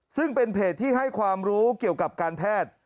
ซึ่งเป็นเพจที่ให้ความรู้เกี่ยวกับการแพทย์